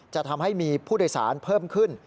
จะทำให้มีผู้โดยสารเพิ่มขึ้น